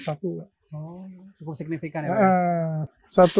cukup signifikan ya pak